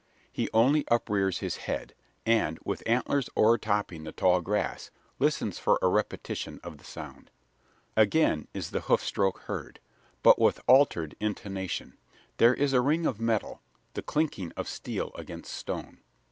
He only uprears his head; and, with antlers o'ertopping the tall grass, listens for a repetition of the sound. Again is the hoofstroke heard, but with altered intonation. There is a ring of metal the clinking of steel against stone.